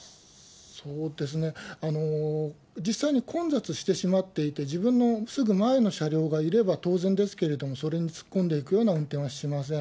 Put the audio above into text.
そうですね、実際に混雑してしまっていて、自分のすぐ前の車両がいれば当然ですけれども、それに突っ込んでいくような運転はしません。